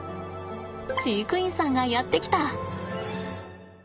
飼育員さんがやって来た！